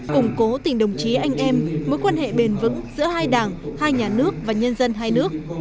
củng cố tình đồng chí anh em mối quan hệ bền vững giữa hai đảng hai nhà nước và nhân dân hai nước